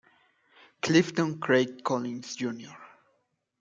Clifton Craig Collins, Jr.